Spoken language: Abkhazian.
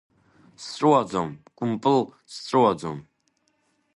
Сҵәуаӡом, Кәмпыл, сҵәуаӡом.